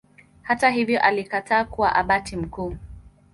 Hata hivyo alikataa kuwa Abati mkuu.